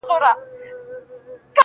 په خيال كي ستا سره ياري كومه,